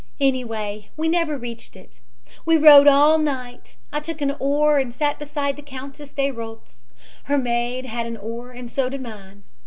Anyway, we never reached it. "We rowed all night, I took an oar and sat beside the Countess de Rothes. Her maid had an our and so did mine.